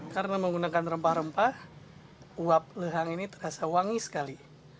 karena menggunakan rempah rempah uap lehang ini terasa wangi sekali